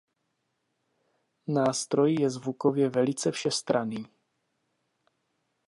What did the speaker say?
Nástroj je zvukově velice všestranný.